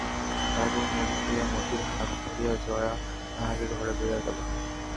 তারপর মুখ ধুইয়া মতির হাত ধরিয়া জয়া তাহাকে ঘরে লইয়া গেল।